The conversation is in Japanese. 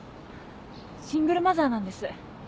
シングルマザーなんです